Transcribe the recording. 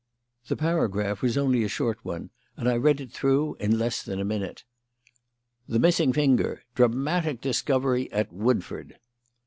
The paragraph was only a short one, and I read it through in less than a minute: "THE MISSING FINGER "DRAMATIC DISCOVERY AT WOODFORD.